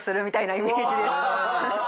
みたいなイメージです。